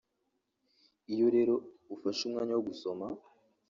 Iyo rero ufashe umwanya wo gusoma